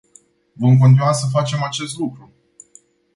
Vom continua să facem acest lucru.